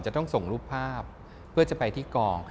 จะต้องส่งรูปภาพเพื่อจะไปที่กอง